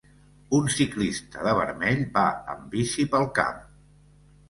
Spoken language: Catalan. Un ciclista de vermell, va amb bici pel camp.